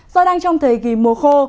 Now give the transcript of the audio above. do đang trong thời kỳ mùa khô